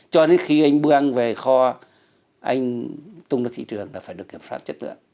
cho đến khi anh bưu ăn về kho anh tung vào thị trường là phải được kiểm soát chất lượng